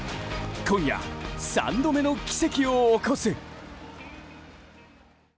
今夜、３度目の奇跡を起こす！